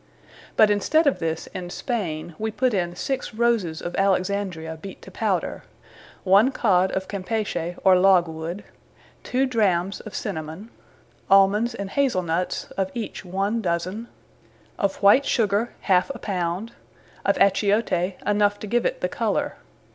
But in stead of this, in Spaine, we put in six Roses of Alexandria beat to Powder: One Cod of Campeche, or Logwood: Two Drams of Cinamon; Almons, and Hasle Nuts, of each one Dozen: Of white Sugar, halfe a pound: of Achiote enough to give it the colour.